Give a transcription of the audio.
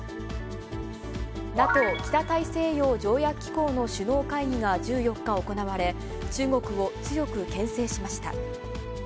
ＮＡＴＯ・北大西洋条約機構の首脳会議が１４日、行われ、中国を強くけん制しました。